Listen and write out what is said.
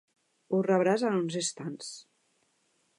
Ho rebràs en uns instants.